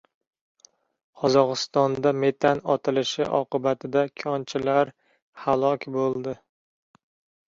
Qozog‘istonda metan otilishi oqibatida konchilar halok bo‘ldi